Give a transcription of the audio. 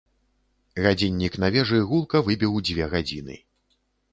Гадзіннік на вежы гулка выбіў дзве гадзіны.